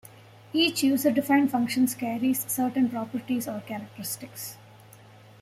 Each user-defined function carries certain properties or characteristics.